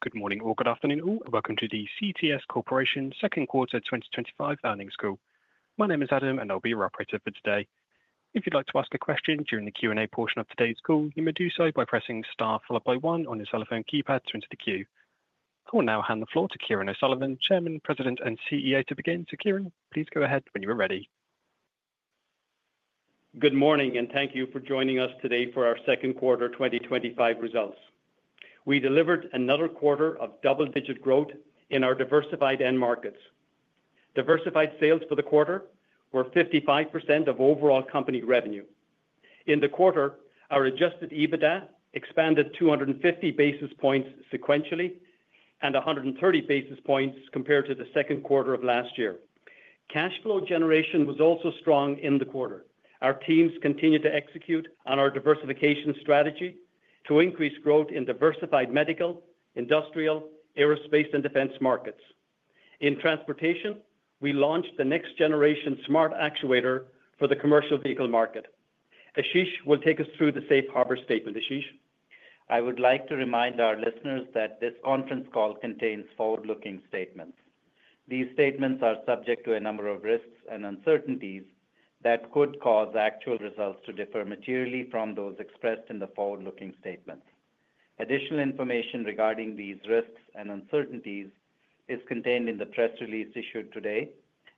Good morning or good afternoon, all. Welcome to the CTS Corporation second quarter 2025 earnings call. My name is Adam, and I'll be your operator for today. If you'd like to ask a question during the Q&A portion of today's call, you may do so by pressing star followed by one on your telephone keypad to enter the queue. I will now hand the floor to Kieran O'Sullivan, Chairman, President, and CEO to begin. Kieran, please go ahead when you are ready. Good morning, and thank you for joining us today for our second quarter 2025 results. We delivered another quarter of double-digit growth in our diversified end markets. Diversified sales for the quarter were 55% of overall company revenue. In the quarter, our adjusted EBITDA expanded 250 basis points sequentially and 130 basis points compared to the second quarter of last year. Cash flow generation was also strong in the quarter. Our teams continued to execute on our diversification strategy to increase growth in diversified medical, industrial, aerospace, and defense markets. In transportation, we launched the next-generation Smart Actuator for the commercial vehicle market. Ashish will take us through the safe harbor statement. Ashish. I would like to remind our listeners that this conference call contains forward-looking statements. These statements are subject to a number of risks and uncertainties that could cause actual results to differ materially from those expressed in the forward-looking statements. Additional information regarding these risks and uncertainties is contained in the press release issued today,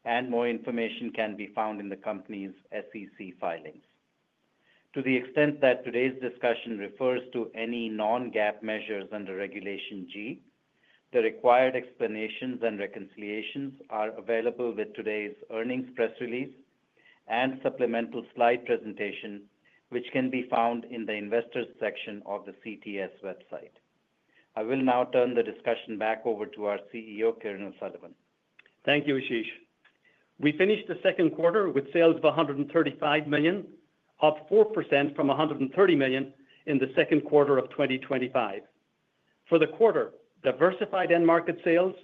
and more information can be found in the company's SEC filings. To the extent that today's discussion refers to any non-GAAP measures under Regulation G, the required explanations and reconciliations are available with today's earnings press release and a supplemental slide presentation, which can be found in the Investors section of the CTS website. I will now turn the discussion back over to our CEO, Kieran O'Sullivan. Thank you, Ashish. We finished the second quarter with sales of $135 million, up 4% from $130 million in the second quarter of 2025. For the quarter, diversified end market sales,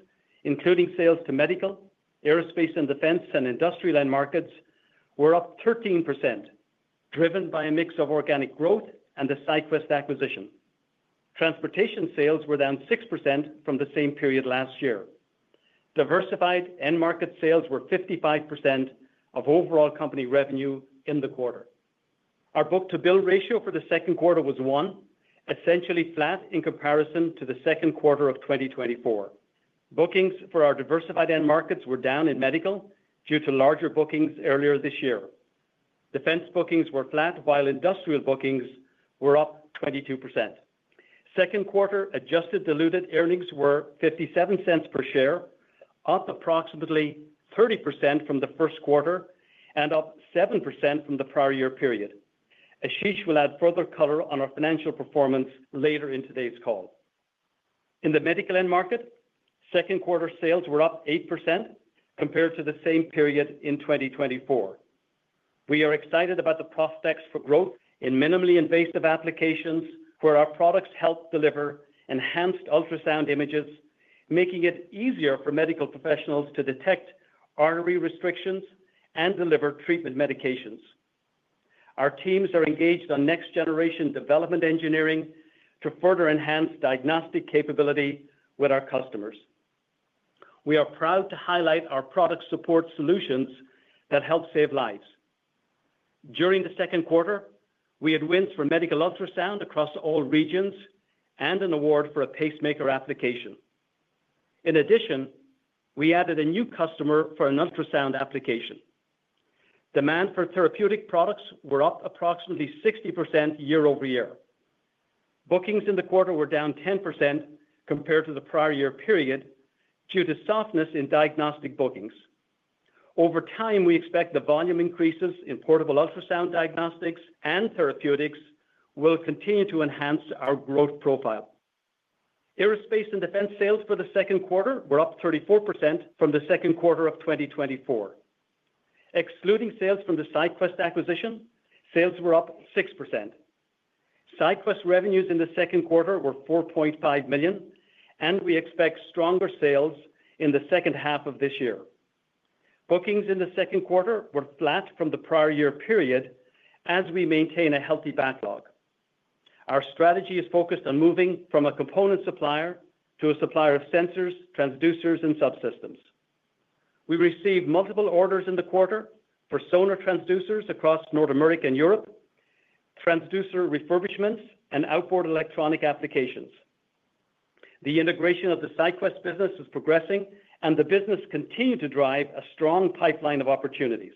including sales to medical, aerospace, and defense and industrial end markets, were up 13%, driven by a mix of organic growth and a SyQwest acquisition. Transportation sales were down 6% from the same period last year. Diversified end market sales were 55% of overall company revenue in the quarter. Our book-to-bill ratio for the second quarter was one, essentially flat in comparison to the second quarter of 2024. Bookings for our diversified end markets were down in medical due to larger bookings earlier this year. Defense bookings were flat, while industrial bookings were up 22%. Second quarter adjusted diluted earnings were $0.57 per share, up approximately 30% from the first quarter and up 7% from the prior year period. Ashish will add further color on our financial performance later in today's call. In the medical end market, second-quarter sales were up 8% compared to the same period in 2024. We are excited about the prospects for growth in minimally invasive applications where our products help deliver enhanced ultrasound images, making it easier for medical professionals to detect artery restrictions and deliver treatment medications. Our teams are engaged in next-generation development engineering to further enhance diagnostic capability with our customers. We are proud to highlight our product support solutions that help save lives. During the second quarter, we had wins for medical ultrasound across all regions and an award for a pacemaker application. In addition, we added a new customer for an ultrasound application. Demand for therapeutic products were up approximately 60% year-over-year. Bookings in the quarter were down 10% compared to the prior year period due to softness in diagnostic bookings. Over time, we expect the volume increases in portable ultrasound diagnostics and therapeutics will continue to enhance our growth profile. Aerospace and defense sales for the second quarter were up 34% from the second quarter of 2024. Excluding sales from the SyQwest acquisition, sales were up 6%. SyQwest revenues in the second quarter were $4.5 million, and we expect stronger sales in the second half of this year. Bookings in the second quarter were flat from the prior year period as we maintain a healthy backlog. Our strategy is focused on moving from a component supplier to a supplier of sensors, transducers, and subsystems. We received multiple orders in the quarter for sonar transducers across North America and Europe, transducer refurbishments, and outboard electronic applications. The integration of the SyQwest business is progressing, and the business continues to drive a strong pipeline of opportunities.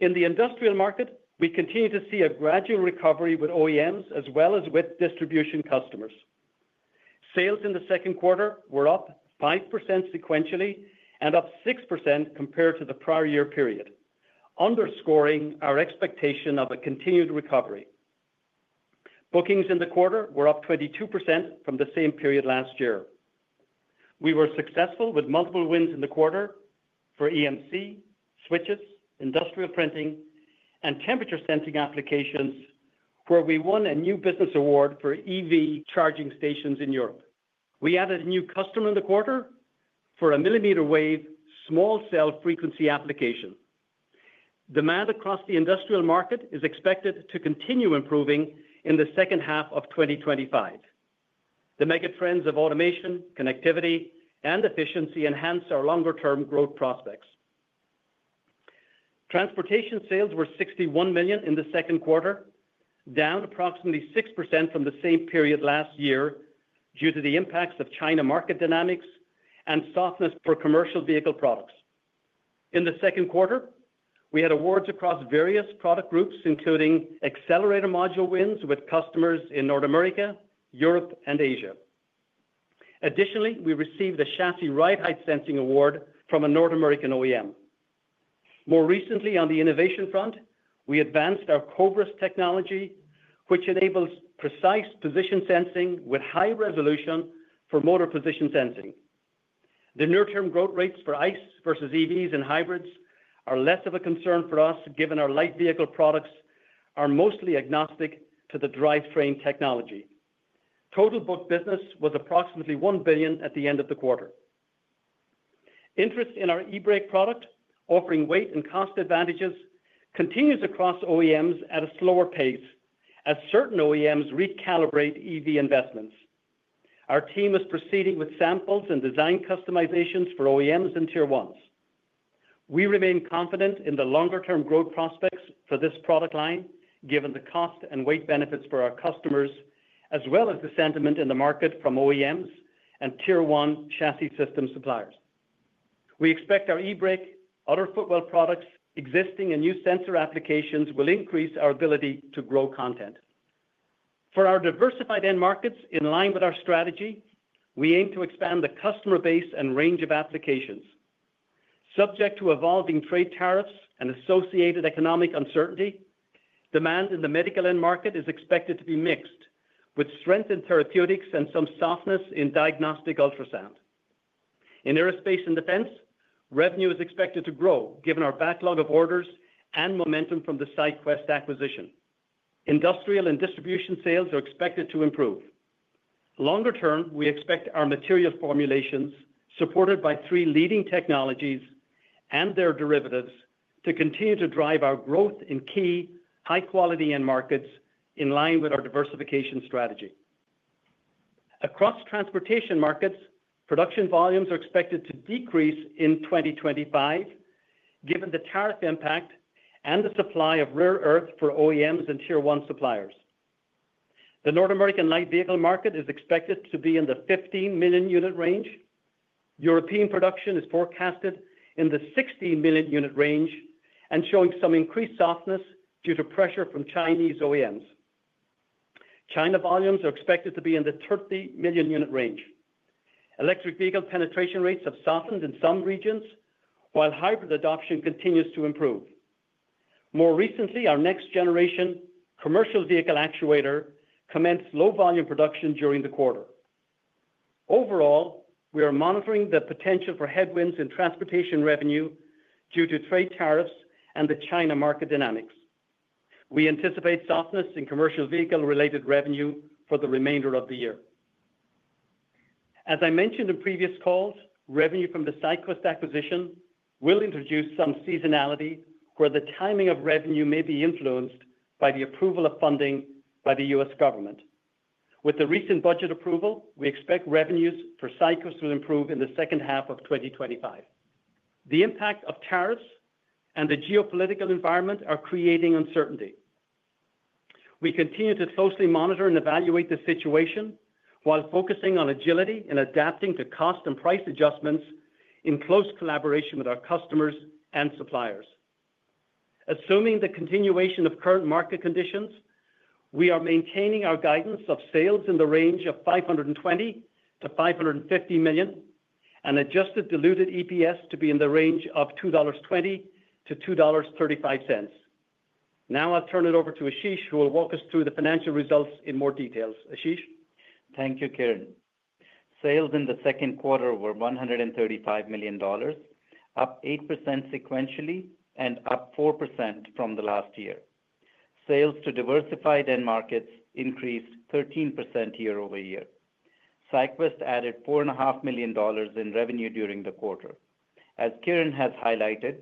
In the industrial market, we continue to see a gradual recovery with OEMs as well as with distribution customers. Sales in the second quarter were up 5% sequentially and up 6% compared to the prior year period, underscoring our expectation of a continued recovery. Bookings in the quarter were up 22% from the same period last year. We were successful with multiple wins in the quarter for EMC, switches, industrial printing, and temperature sensing applications, where we won a new business award for EV charging stations in Europe. We added a new customer in the quarter for a millimeter wave small cell frequency application. Demand across the industrial market is expected to continue improving in the second half of 2025. The megatrends of automation, connectivity, and efficiency enhance our longer-term growth prospects. Transportation sales were $61 million in the second quarter, down approximately 6% from the same period last year due to the impacts of China market dynamics and softness for commercial vehicle products. In the second quarter, we had awards across various product groups, including accelerator module wins with customers in North America, Europe, and Asia. Additionally, we received a chassis ride height sensor award from a North American OEM. More recently, on the innovation front, we advanced our COBROS technology, which enables precise position sensing with high resolution for motor position sensing. The near-term growth rates for ICE versus EVs and hybrids are less of a concern for us, given our light vehicle products are mostly agnostic to the drivetrain technology. Total book business was approximately $1 billion at the end of the quarter. Interest in our eBrake product, offering weight and cost advantages, continues across OEMs at a slower pace as certain OEMs recalibrate EV investments. Our team is proceeding with samples and design customizations for OEMs and Tier 1s. We remain confident in the longer-term growth prospects for this product line, given the cost and weight benefits for our customers, as well as the sentiment in the market from OEMs and Tier 1 chassis system suppliers. We expect our eBrake, other footwell products, existing, and new sensor applications will increase our ability to grow content. For our diversified end markets, in line with our strategy, we aim to expand the customer base and range of applications. Subject to evolving trade tariffs and associated economic uncertainty, demand in the medical end market is expected to be mixed, with strength in therapeutics and some softness in diagnostic ultrasound. In aerospace and defense, revenue is expected to grow, given our backlog of orders and momentum from the SyQwest acquisition. Industrial and distribution sales are expected to improve. Longer term, we expect our material formulations, supported by three leading technologies and their derivatives, to continue to drive our growth in key, high-quality end markets, in line with our diversification strategy. Across transportation markets, production volumes are expected to decrease in 2025, given the tariff impact and the supply of rare earth for OEMs and Tier 1 suppliers. The North American light vehicle market is expected to be in the 15 million unit range. European production is forecasted in the 60 million unit range and showing some increased softness due to pressure from Chinese OEMs. China volumes are expected to be in the 30 million unit range. Electric vehicle penetration rates have softened in some regions, while hybrid adoption continues to improve. More recently, our next-generation commercial vehicle actuator commenced low-volume production during the quarter. Overall, we are monitoring the potential for headwinds in transportation revenue due to trade tariffs and the China market dynamics. We anticipate softness in commercial vehicle-related revenue for the remainder of the year. As I mentioned in previous calls, revenue from the SyQwest acquisition will introduce some seasonality, where the timing of revenue may be influenced by the approval of funding by the U.S. government. With the recent budget approval, we expect revenues for SyQwest to improve in the second half of 2025. The impact of tariffs and the geopolitical environment are creating uncertainty. We continue to closely monitor and evaluate the situation while focusing on agility and adapting to cost and price adjustments in close collaboration with our customers and suppliers. Assuming the continuation of current market conditions, we are maintaining our guidance of sales in the range of $520-$550 million and adjusted diluted EPS to be in the range of $2.20-$2.35. Now I'll turn it over to Ashish, who will walk us through the financial results in more detail. Ashish. Thank you, Kieran. Sales in the second quarter were $135 million, up 8% sequentially and up 4% from the last year. Sales to diversified end markets increased 13% year-over-year. SyQwest added $4.5 million in revenue during the quarter. As Kieran has highlighted,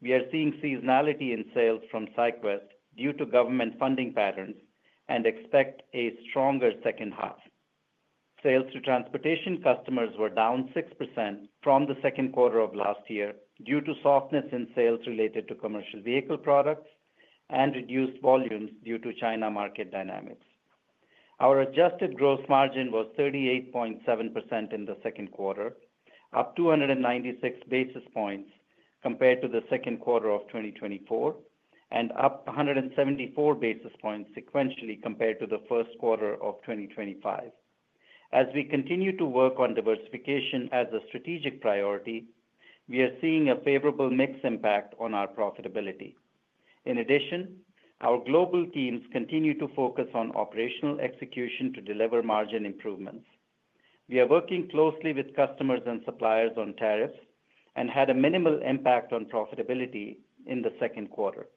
we are seeing seasonality in sales from SyQwest due to government funding patterns and expect a stronger second half. Sales to transportation customers were down 6% from the second quarter of last year due to softness in sales related to commercial vehicle products and reduced volumes due to China market dynamics. Our adjusted gross margin was 38.7% in the second quarter, up 296 basis points compared to the second quarter of 2024, and up 174 basis points sequentially compared to the first quarter of 2025. As we continue to work on diversification as a strategic priority, we are seeing a favorable mix impact on our profitability. In addition, our global teams continue to focus on operational execution to deliver margin improvements. We are working closely with customers and suppliers on tariffs and had a minimal impact on profitability in the second quarter.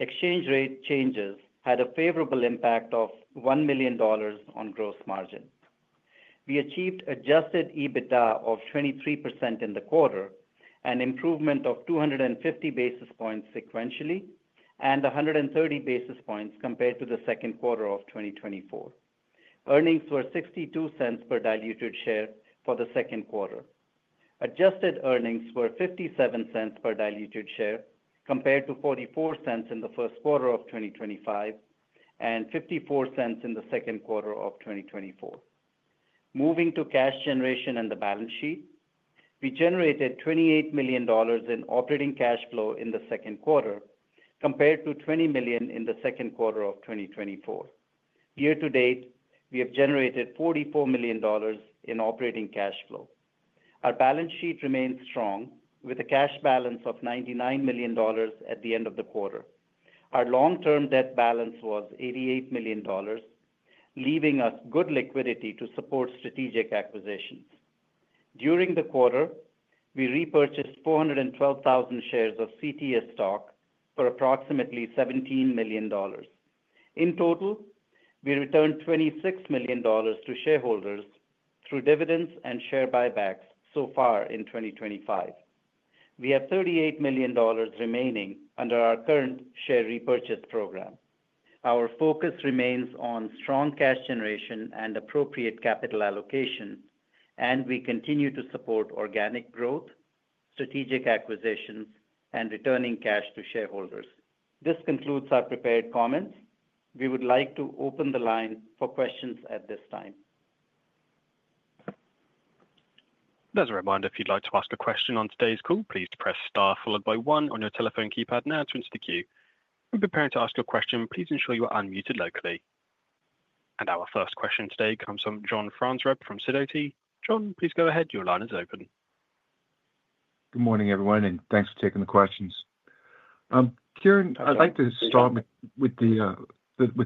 Exchange rate changes had a favorable impact of $1 million on gross margin. We achieved adjusted EBITDA of 23% in the quarter, an improvement of 250 basis points sequentially, and 130 basis points compared to the second quarter of 2024. Earnings were $0.62 per diluted share for the second quarter. Adjusted earnings were $0.57 per diluted share compared to $0.44 in the first quarter of 2025 and $0.54 in the second quarter of 2024. Moving to cash generation and the balance sheet, we generated $28 million in operating cash flow in the second quarter compared to $20 million in the second quarter of 2024. Year to date, we have generated $44 million in operating cash flow. Our balance sheet remains strong with a cash balance of $99 million at the end of the quarter. Our long-term debt balance was $88 million, leaving us good liquidity to support strategic acquisitions. During the quarter, we repurchased 412,000 shares of CTS stock for approximately $17 million. In total, we returned $26 million to shareholders through dividends and share buybacks so far in 2025. We have $38 million remaining under our current share repurchase program. Our focus remains on strong cash generation and appropriate capital allocation, and we continue to support organic growth, strategic acquisitions, and returning cash to shareholders. This concludes our prepared comments. We would like to open the line for questions at this time. As a reminder, if you'd like to ask a question on today's call, please press star followed by one on your telephone keypad now to enter the queue. If you're prepared to ask your question, please ensure you are unmuted locally. Our first question today comes from John Franzreb from Sidoti. John, please go ahead. Your line is open. Good morning, everyone, and thanks for taking the questions. Kieran, I'd like to start with the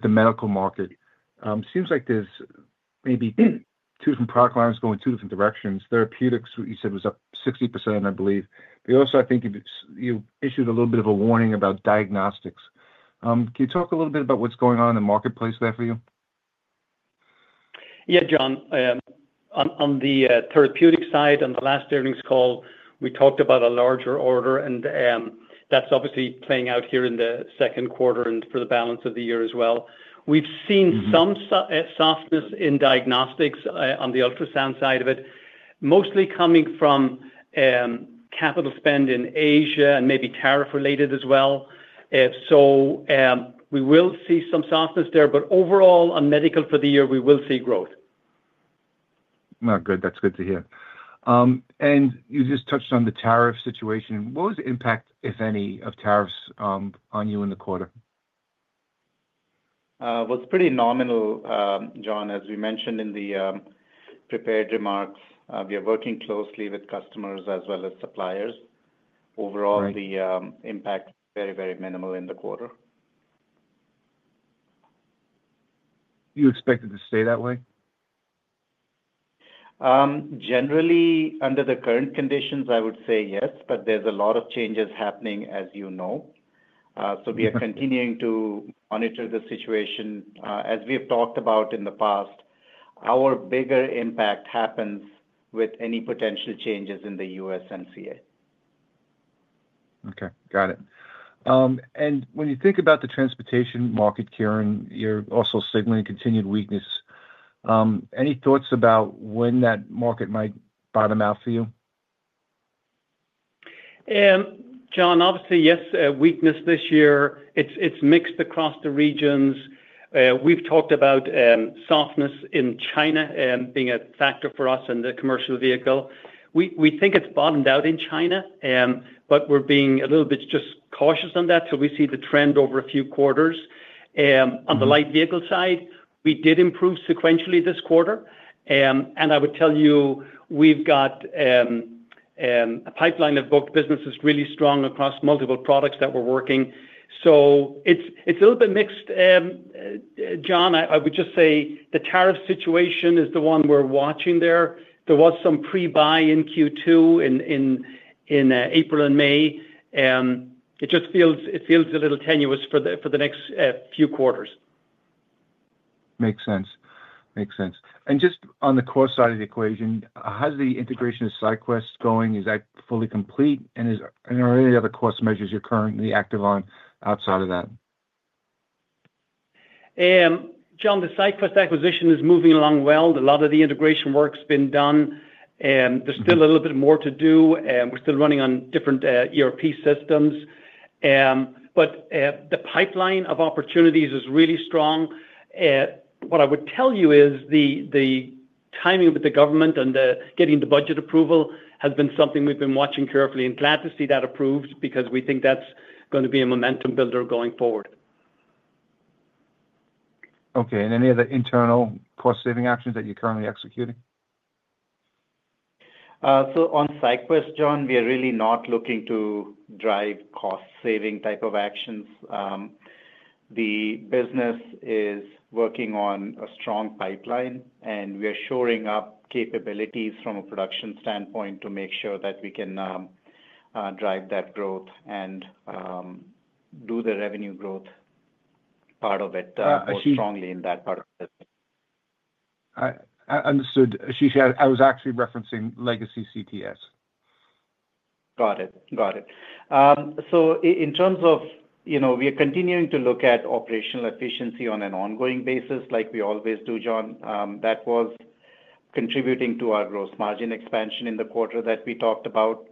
medical market. It seems like there's maybe two different product lines going in two different directions. Therapeutics, what you said, was up 60%, I believe. You also, I think you issued a little bit of a warning about diagnostics. Can you talk a little bit about what's going on in the marketplace there for you? Yeah, John. On the therapeutic side, on the last earnings call, we talked about a larger order, and that's obviously playing out here in the second quarter and for the balance of the year as well. We've seen some softness in diagnostics on the ultrasound side of it, mostly coming from capital spend in Asia and maybe tariff-related as well. We will see some softness there, but overall on medical for the year, we will see growth. That's good to hear. You just touched on the tariff situation. What was the impact, if any, of tariffs on you in the quarter? It is pretty nominal, John. As we mentioned in the prepared remarks, we are working closely with customers as well as suppliers. Overall, the impact is very, very minimal in the quarter. Do you expect it to stay that way? Generally, under the current conditions, I would say yes, but there's a lot of changes happening, as you know. We are continuing to monitor the situation. As we have talked about in the past, our bigger impact happens with any potential changes in the USMCA. Okay, got it. When you think about the transportation market, Kieran, you're also signaling continued weakness. Any thoughts about when that market might bottom out for you? John, obviously, yes, weakness this year. It's mixed across the regions. We've talked about softness in China being a factor for us in the commercial vehicle. We think it's bottomed out in China, but we're being a little bit just cautious on that. We see the trend over a few quarters. On the light vehicle side, we did improve sequentially this quarter. I would tell you, we've got a pipeline of booked businesses really strong across multiple products that we're working. It's a little bit mixed. John, I would just say the tariff situation is the one we're watching there. There was some pre-buy in Q2 in April and May. It just feels a little tenuous for the next few quarters. Makes sense. Makes sense. Just on the cost side of the equation, how's the integration of SyQwest going? Is that fully complete? Are there any other cost measures you're currently active on outside of that? John, the SyQwest acquisition is moving along well. A lot of the integration work's been done. There's still a little bit more to do. We're still running on different ERP systems, but the pipeline of opportunities is really strong. What I would tell you is the timing with the government and getting the budget approval has been something we've been watching carefully, and glad to see that approved because we think that's going to be a momentum builder going forward. Okay. Are there any other internal cost-saving actions that you're currently executing? On SyQwest, John, we are really not looking to drive cost-saving type of actions. The business is working on a strong pipeline, and we are shoring up capabilities from a production standpoint to make sure that we can drive that growth and do the revenue growth part of it strongly in that part of the business. Understood. Ashish, I was actually referencing legacy CTS. Got it. In terms of, you know, we are continuing to look at operational efficiency on an ongoing basis, like we always do, John. That was contributing to our gross margin expansion in the quarter that we talked about.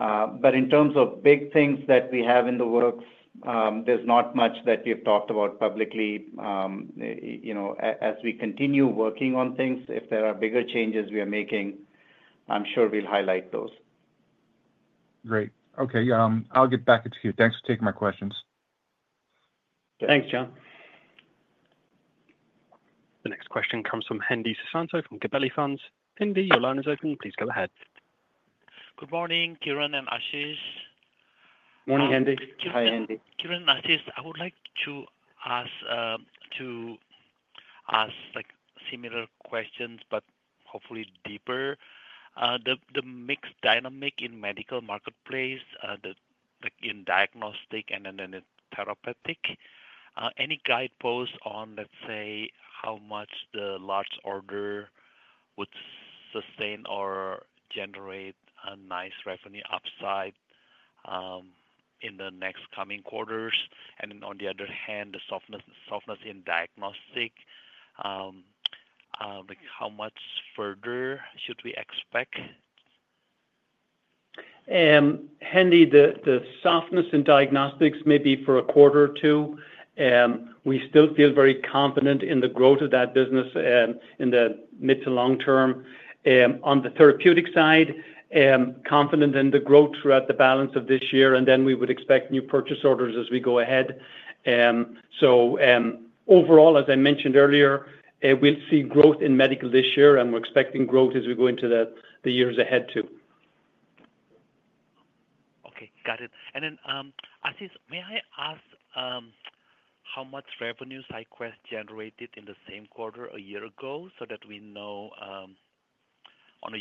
In terms of big things that we have in the works, there's not much that we've talked about publicly. As we continue working on things, if there are bigger changes we are making, I'm sure we'll highlight those. Great. Okay. I'll get back into queue. Thanks for taking my questions. Thanks, John. The next question comes from Hendi Susanto from Gabelli Funds. Hendi, your line is open. Please go ahead. Good morning, Kieran and Ashish. Morning, Hendi. Hi, Hendi. Kieran and Ashish, I would like to ask similar questions, but hopefully deeper. The mixed dynamic in the medical marketplace, the diagnostic and then the therapeutic, any guideposts on, let's say, how much the large order would sustain or generate a nice revenue upside in the next coming quarters? On the other hand, the softness in diagnostic, how much further should we expect? Hendi, the softness in diagnostics may be for a quarter or two. We still feel very confident in the growth of that business in the mid to long term. On the therapeutic side, confident in the growth throughout the balance of this year, and we would expect new purchase orders as we go ahead. Overall, as I mentioned earlier, we'll see growth in medical this year, and we're expecting growth as we go into the years ahead, too. Okay, got it. Ashish, may I ask how much revenue SyQwest generated in the same quarter a year ago so that we know on a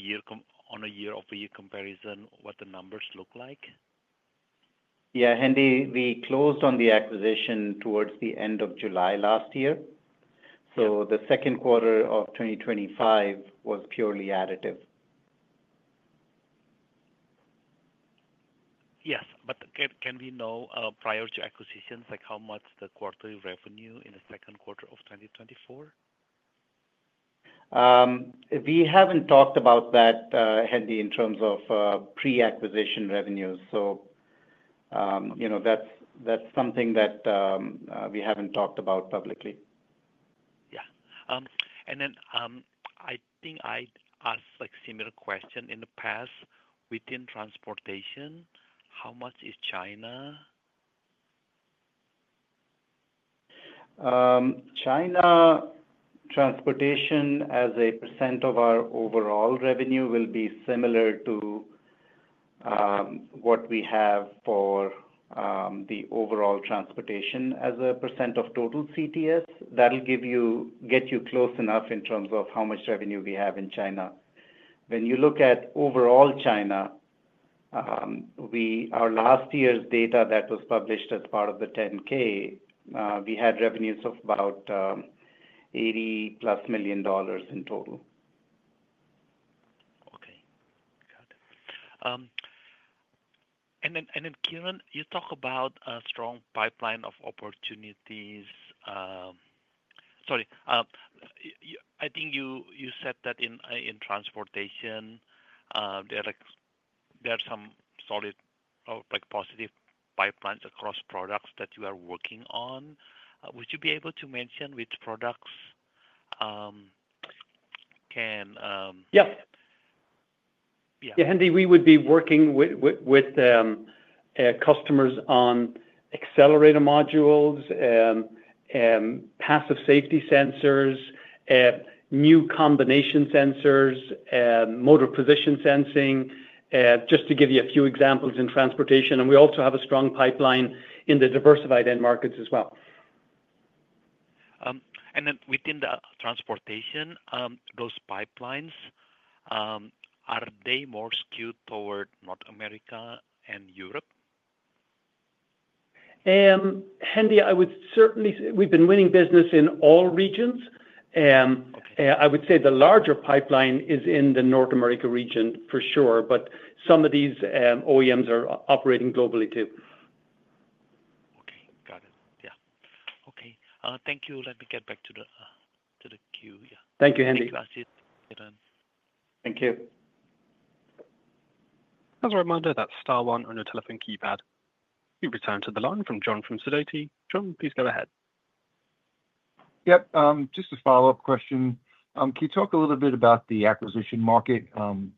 year-over-year comparison what the numbers look like? Yeah, Hendi, we closed on the acquisition towards the end of July last year. The second quarter of 2025 was purely additive. Yes, but can we know prior to acquisitions like how much the quarterly revenue in the second quarter of 2024? We haven't talked about that, Hendi, in terms of pre-acquisition revenues. That's something that we haven't talked about publicly. I think I asked a similar question in the past. Within transportation, how much is China? China, transportation as a percent of our overall revenue will be similar to what we have for the overall transportation as a percent of total CTS. That'll get you close enough in terms of how much revenue we have in China. When you look at overall China, our last year's data that was published as part of the 10K, we had revenues of about $80+ million in total. Okay. Got it. Kieran, you talk about a strong pipeline of opportunities. I think you said that in transportation, there are some solid or positive pipelines across products that you are working on. Would you be able to mention which products can? Yeah. Yeah, Hendi, we would be working with customers on accelerator modules, passive safety sensors, new combination sensors, motor position sensing, just to give you a few examples in transportation. We also have a strong pipeline in the diversified end markets as well. Within the transportation, those pipelines, are they more skewed toward North America and Europe? Hendi, I would certainly say we've been winning business in all regions. I would say the larger pipeline is in the North America region for sure, but some of these OEMs are operating globally, too. Okay, got it. Thank you. Let me get back to the queue. Thank you, Hendi and [Ashish] Thank you. As a reminder, that's *1 on your telephone keypad. We'll return to the line from John from Sidoti. John, please go ahead. Yep. Just a follow-up question. Can you talk a little bit about the acquisition market,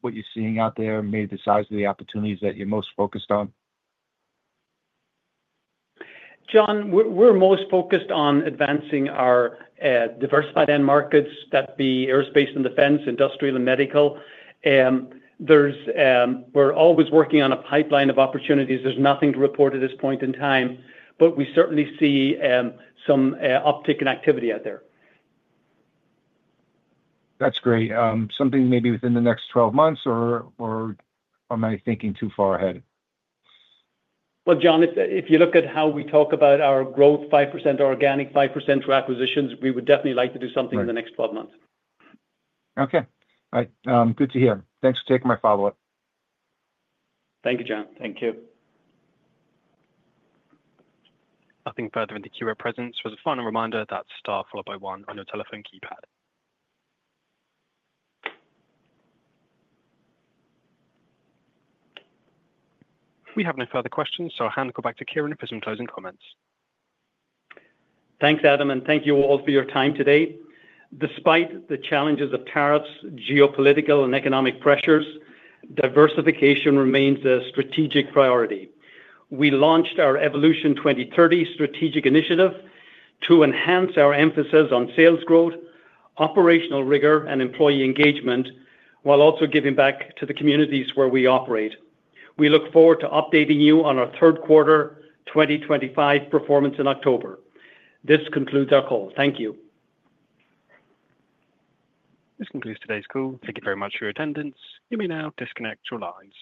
what you're seeing out there, maybe the size of the opportunities that you're most focused on? John, we're most focused on advancing our diversified end markets that would be aerospace and defense, industrial, and medical. We're always working on a pipeline of opportunities. There's nothing to report at this point in time, but we certainly see some uptick in activity out there. That's great. Something maybe within the next 12 months, or am I thinking too far ahead? John, if you look at how we talk about our growth, 5% organic, 5% through acquisitions, we would definitely like to do something in the next 12 months. Okay. All right. Good to hear. Thanks for taking my follow-up. Thank you, John. Thank you. Nothing further in the Q&A presence. For the final reminder, that's star followed by one on your telephone keypad. We have no further questions, so I'll hand the call back to Kieran for some closing comments. Thanks, Adam, and thank you all for your time today. Despite the challenges of tariffs, geopolitical, and economic pressures, diversification remains a strategic priority. We launched our Evolution 2030 strategic initiative to enhance our emphasis on sales growth, operational rigor, and employee engagement, while also giving back to the communities where we operate. We look forward to updating you on our third quarter 2025 performance in October. This concludes our call. Thank you. This concludes today's call. Thank you very much for your attendance. You may now disconnect your lines.